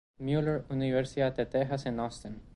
Muller en la Universidad de Texas en Austin.